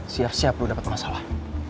siap siap lu dapet masalah